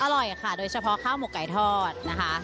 อร่อยค่ะโดยเฉพาะข้าวหมกไก่ทอดนะคะ